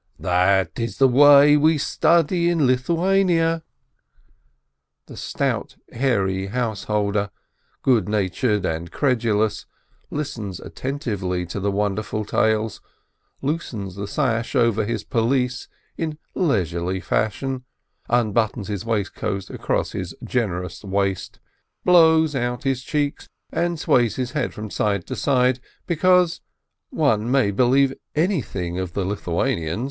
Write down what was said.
"That is the way we study in Lithuania !" The stout, hairy householder, good natured and cred ulous, listens attentively to the wonderful tales, loosens the sash over his pelisse in leisurely fashion, unbuttons his waistcoat across his generous waist, blows out his cheeks, and sways his head from side to side, because — one may believe anything of the Lithuanians